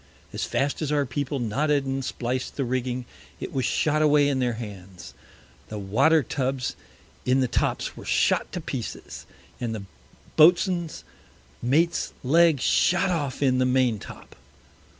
As fast as our People knotted and spliced the Rigging, it was shot away in their Hands. The Water Tubs in the Tops were shot to pieces, and the Boatswain's Mate's Leg shot off in the Main top.